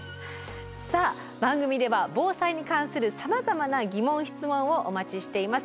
さあ番組では防災に関するさまざまな「疑問・質問」をお待ちしています。